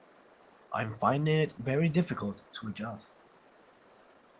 I'm finding it very difficult to adjust